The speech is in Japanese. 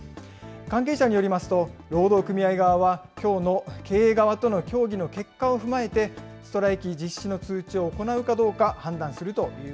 関係者によりますと、労働組合側はきょうの経営側との協議の結果を踏まえて、ストライキ実施の通知を行うかどうか判断するという